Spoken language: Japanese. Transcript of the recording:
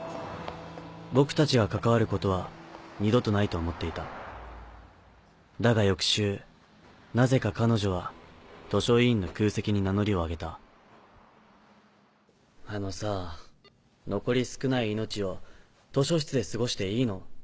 僕たちが関わることは二度とないと思っていただが翌週なぜか彼女は図書委員の空席に名乗りを上げたあのさ残り少ない命を図書室で過ごしていいの？